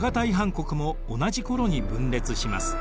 国も同じ頃に分裂します。